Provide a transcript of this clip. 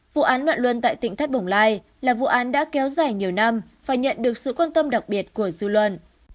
vụ án loạn luân tại tỉnh thất bồng lai là vụ án đã kéo dài nhiều năm phải nhận được sự quan tâm đặc biệt của dư luận